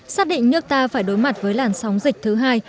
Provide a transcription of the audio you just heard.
xác định nước ta phải đối mặt với làn sóng dịch thứ hai